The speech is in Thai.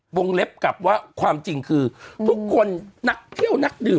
วงเล็บกลับว่าความจริงคือทุกคนนักเที่ยวนักดื่ม